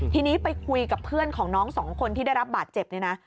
ทีนี้ไปคุยกับเพื่อนของน้องสองคนที่ได้รับบาดเจ็บเนี่ยนะ